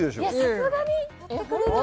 さすがに・やってくれるの？